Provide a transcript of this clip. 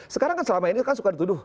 sekarang kan selama ini kan suka dituduh